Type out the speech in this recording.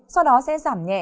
sau đó sẽ giảm nhẹ